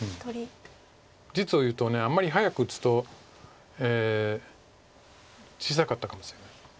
実をいうとあんまり早く打つと小さかったかもしれない。